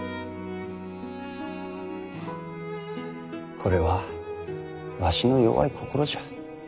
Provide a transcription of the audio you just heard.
これはわしの弱い心じゃ。